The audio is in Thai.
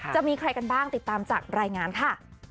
จะมีใครกันบ้างติดตามจากรายงานค่ะ